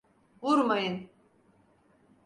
Vurmayın!